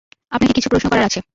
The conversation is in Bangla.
আপনাকে কিছু প্রশ্ন করার আছে।